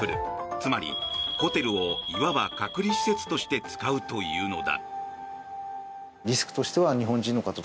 つまりホテルをいわば隔離施設として使うというのだ。